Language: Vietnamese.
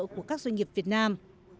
của các doanh nghiệp việt nam